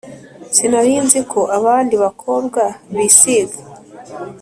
sinari nzi ko abandi bakobwa bisiga